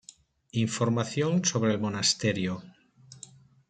Información sobre el monasterio